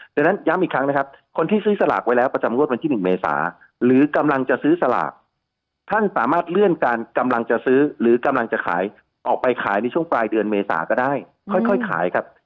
ดังนั้นย้ำอีกครั้งนะครับคนที่ซื้อสลากไว้แล้วประจำงวดวันที่๑เมษาหรือกำลังจะซื้อสลากท่านสามารถเลื่อนการกำลังจะซื้อหรือกำลังจะขายออกไปขายในช่วงปลายเดือนเมษาก็ได้ค่อยขายครับ